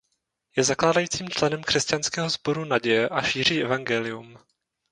Je zakládajícím členem křesťanského sboru Naděje a šíří evangelium.